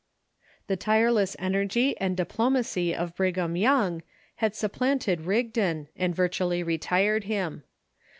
The tireless energy and diplomacy of Brigham Young had supplanted Rigdon, and virtually retired him.